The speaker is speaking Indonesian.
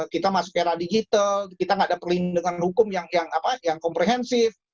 kita masuk era digital kita tidak ada perlindungan hukum yang komprehensif